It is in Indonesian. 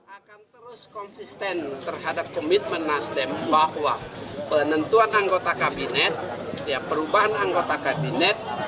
akan terus konsisten terhadap komitmen nasdem bahwa penentuan anggota kabinet perubahan anggota kabinet